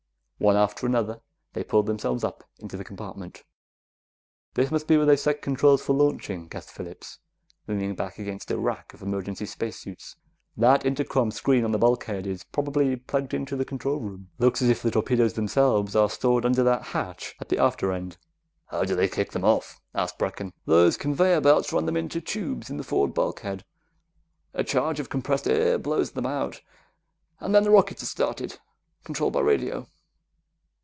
One after another, they pulled themselves up into the compartment. "This must be where they set controls for launching," guessed Phillips, leaning back against a rack of emergency spacesuits. "That intercom screen on the bulkhead is probably plugged in to the control room. Looks as if the torpedoes themselves are stored under that hatch at the after end." "How do they kick them off?" asked Brecken. "Those conveyor belts run them into tubes in the forward bulkhead. A charge of compressed air blows them out, and then the rockets are started and controlled by radio."